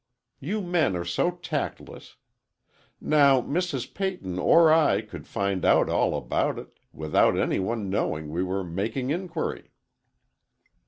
"You men are so tactless! Now, Mrs. Peyton or I could find out all about it, without any one knowing we were making inquiry."